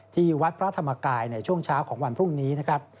ที่วัดพระธรรมกายในช่วงเช้าของวันพรุ่งนี้นะครับ